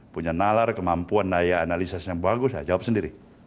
punya nalar kemampuan daya analisis yang bagus saya jawab sendiri